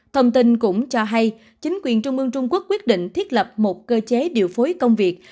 thông tin cũng cho hay chính quyền trung mương trung quốc quyết định thiết lập một cơ chế điều phối công việc